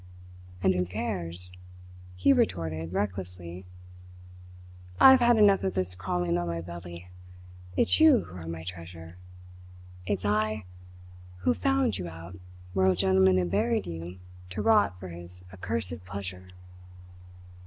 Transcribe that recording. "And who cares?" he retorted recklessly. "I've had enough of this crawling on my belly. It's you who are my treasure. It's I who found you out where a gentleman had buried you to rot for his accursed pleasure!"